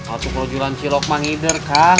aduh kalo jualan cilok mangider kak